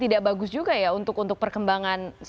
tidak bagus juga ya untuk perkembangan